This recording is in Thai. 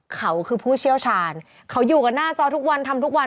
เขาคือผู้เชี่ยวชาญเขาอยู่กันหน้าจอทุกวันทำทุกวัน